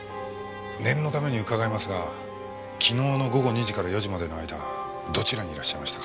念のために伺いますが昨日の午後２時から４時までの間どちらにいらっしゃいましたか？